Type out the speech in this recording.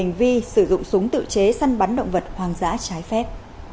hành vi sử dụng súng tự chế săn bắn động vật hoang dã trái phép